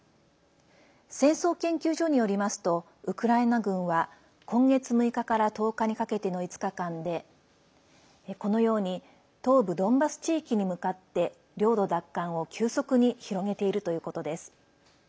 戦争研究所によりますとウクライナ軍は今月６日から１０日にかけての５日間でこのように東部ドンバス地域に向かって領土奪還を急速に広げているということです。